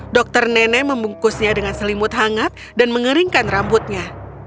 dokter nenek membungkusnya dengan selimut hangat dan mengeringkan rambutnya